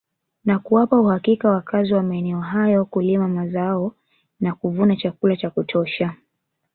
Na kuwapa uhakika wakazi wa maeneo hayo kulima mazaona kuvuna chakula cha kutosha